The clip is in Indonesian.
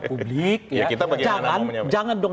publik jangan dong